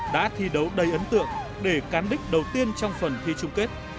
đã thi đấu đầy ấn tượng để cán đích đầu tiên trong phần thi chung kết